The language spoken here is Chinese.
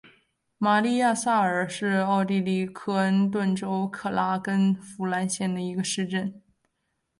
玛丽亚萨尔是奥地利克恩顿州克拉根福兰县的一个市镇。